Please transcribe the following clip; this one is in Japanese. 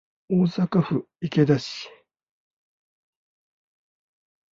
大阪府池田市